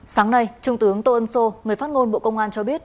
sáng nay trung tướng tô ân sô người phát ngôn bộ công an cho biết